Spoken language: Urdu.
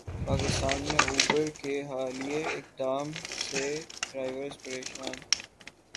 پاکستان میں اوبر کے حالیہ اقدام سے ڈرائیورز پریشان